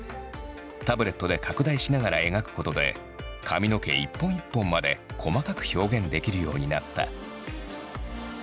タブレットで拡大しながら描くことで髪の毛一本一本まで細かく表現できるようになった。